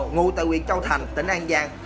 ngủ tại quyện châu thành tỉnh an giang